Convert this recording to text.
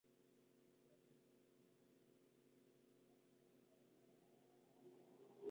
Las dos selecciones que terminaron en primer lugar avanzaron al partido definitorio.